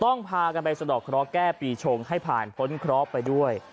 พากันไปสะดอกเคราะห์แก้ปีชงให้ผ่านพ้นเคราะห์ไปด้วย